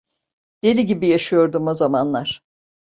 Deli gibi yaşıyordum o zamanlar…